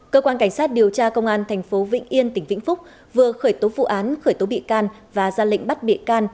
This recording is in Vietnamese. cơ quan cảnh sát điều tra công an tp vĩnh yên tỉnh vĩnh phúc vừa khởi tố vụ án khởi tố bị can và ra lệnh bắt bị can